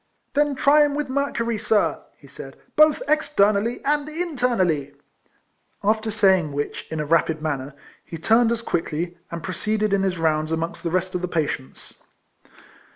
"Then try with him mercury, sir," he said, " both externally and internally" After saying which in a rapid manner, he turned as quickly, and proceeded in his rounds amongst the rest of the patients.